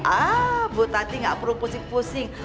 ibu tati gak perlu pusing pusing